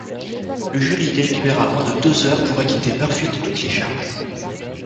Le jury délibéra moins de deux heures pour acquitter Murphy de toutes les charges.